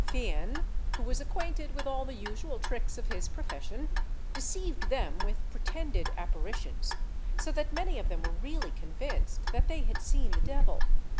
Fian, who was acquainted with all the usual tricks of his profession, deceived them with pretended apparitions, so that many of them were really convinced that they had seen the devil.